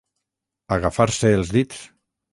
Agafar-se els dits.